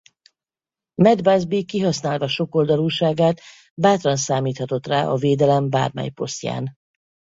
Matt Busby kihasználva sokoldalúságát bátran számíthatott rá a védelem bármely posztján.